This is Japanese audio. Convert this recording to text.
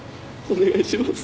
お願いします。